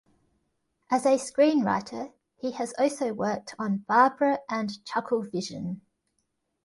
As a screenwriter, he has also worked on "Barbara" and "ChuckleVision".